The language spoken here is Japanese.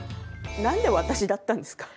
何で私だったんですか？